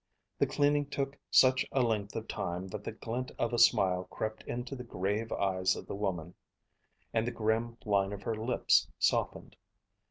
The cleaning took such a length of time that the glint of a smile crept into the grave eyes of the woman, and the grim line of her lips softened.